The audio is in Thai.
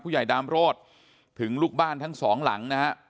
ใหญ่ดามโรศถึงลูกบ้านทั้งสองหลังนะฮะ